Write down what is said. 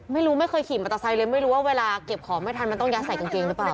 ไม่เคยขี่มอเตอร์ไซค์เลยไม่รู้ว่าเวลาเก็บของไม่ทันมันต้องยัดใส่กางเกงหรือเปล่า